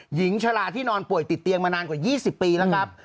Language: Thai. หญิงชะลาที่นอนป่วยติดเตียงมานานกว่า๒๐ปีแล้วครับ